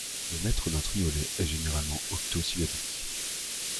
Le mètre d'un triolet est généralement octosyllabique.